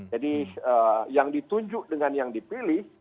jadi yang ditunjuk dengan yang dipilih